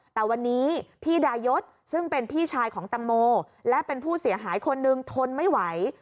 แต่วันนี้พี่ดายศซึ่งเป็นพี่ชายของตังโมและเป็นผู้เสียหายคนนึงทนไม่ไหว